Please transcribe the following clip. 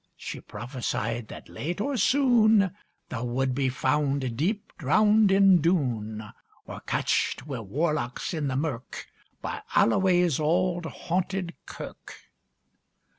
She prophesied that, late or soon, Thou would be found deep drowned in Doon; Or catched wi' warlocks in the mirk, By Alloway's auld haunted kirk.